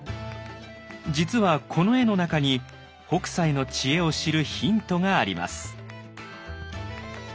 実はこの絵の中に北斎の知恵を知るヒントがあります。